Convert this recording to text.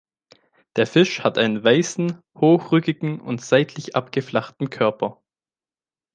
Der Fisch hat einen weißen, hochrückigen und seitlich abgeflachten Körper.